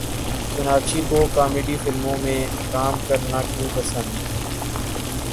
سوناکشی کو کامیڈی فلموں میں کام کرنا کیوں پسند